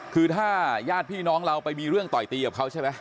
คือถ้าญาติพี่น้องเราไปมีเรื่องต่อยตีกับเขาใช่ไหม